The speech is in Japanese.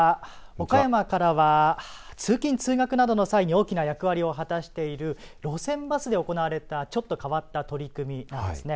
岡山からは通勤通学などの際に大きな役割を果たしている路線バスで行われたちょっと変わった取り組みなんですね。